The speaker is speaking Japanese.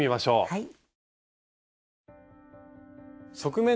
はい。